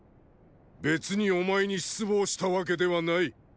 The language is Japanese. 別にお前に失望したわけではない。